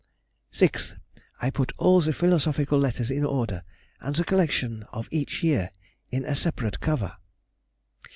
6th.—I put all the philosophical letters in order, and the collection of each year in a separate cover.